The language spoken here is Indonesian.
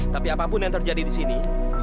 tapi apapun yang terjadi di sini